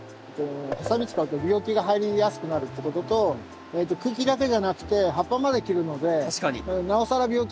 ハサミ使うと病気が入りやすくなるっていうことと茎だけじゃなくて葉っぱまで切るのでなおさら病気が入りやすくなるんで。